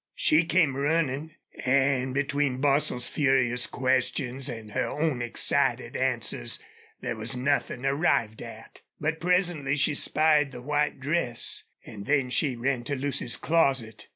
She came running, and between Bostil's furious questions and her own excited answers there was nothing arrived at. But presently she spied the white dress, and then she ran to Lucy's closet.